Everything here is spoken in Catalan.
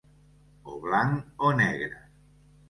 O blanc o negre.